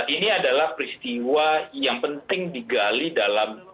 ini adalah peristiwa yang penting digali dalam